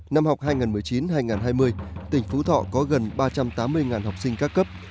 năm học hai nghìn một mươi chín hai nghìn hai mươi tỉnh phú thọ có gần ba trăm tám mươi học sinh các cấp